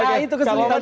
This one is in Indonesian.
ya itu kesulitan